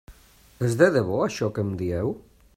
És de debò això que em dieu?